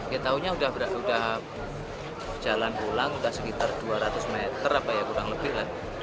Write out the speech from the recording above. ya tahunya udah berjalan pulang sekitar dua ratus meter kurang lebih lah